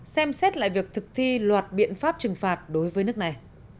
xem xét lại việc thực thi loạt biện pháp trừng phạt đối với nước này